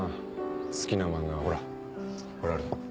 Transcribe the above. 好きな漫画はほらこれ。